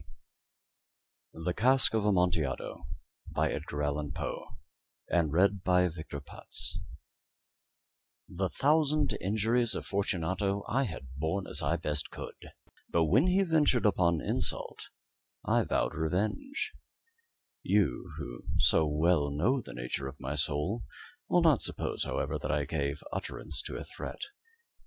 The Cask of Amontillado by Edgar Allan Poe October, 1997 [Etext #1065]* The Cask of Amontillado The thousand injuries of Fortunato I had borne as I best could, but when he ventured upon insult, I vowed revenge. You, who so well know the nature of my soul, will not suppose, however, that I gave utterance to a threat.